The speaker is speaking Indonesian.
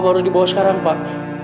baru dibawa sekarang pak